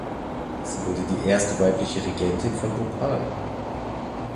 Sie wurde die erste weibliche Regentin von Bhopal.